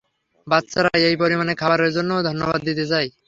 বাচ্চারা, এই পরিমান খাবারের জন্যে ধন্যবাদ দিতে চাই।